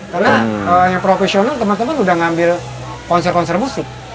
karena yang profesional teman teman udah ngambil konser konser busuk